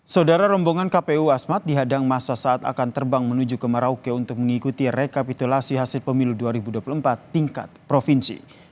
saudara rombongan kpu asmat dihadang masa saat akan terbang menuju ke merauke untuk mengikuti rekapitulasi hasil pemilu dua ribu dua puluh empat tingkat provinsi